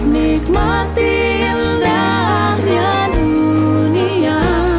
nikmati indahnya dunia